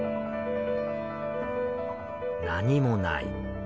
何もない。